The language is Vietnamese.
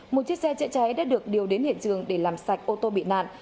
một chiếc xe chữa cháy đã được điều đến hiện trường để làm sạch ô tô bị nạn